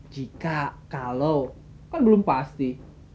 jika kalau kan belum pasti